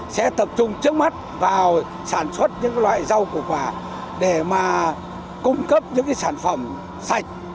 sẽ tập trung trước mắt vào sản xuất những loại rau củ quả để mà cung cấp những sản phẩm sạch